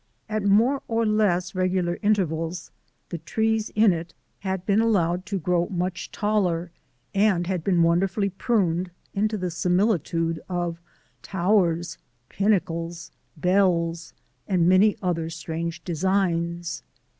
At more or less regular intervals the trees in it had been allowed to grow much taller and had been wonderfully pruned into the similitude of towers, pinnacles, bells, and many other strange designs.